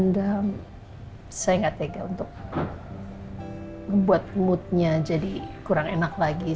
dan saya gak tega untuk membuat moodnya jadi kurang enak lagi